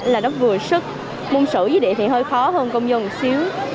là nó vừa sức môn sử với đề thi hơi khó hơn công dân một xíu